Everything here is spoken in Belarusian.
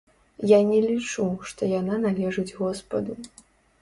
Я не лічу, што яна належыць госпаду.